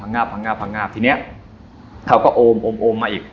จากนั้นเขาก็อมมาอีก